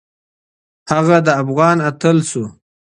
هغه د افغان اتل شو